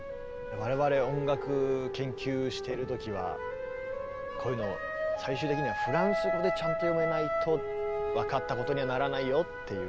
我々音楽研究してる時はこういうのを最終的にはフランス語でちゃんと読めないと分かったことにはならないよって。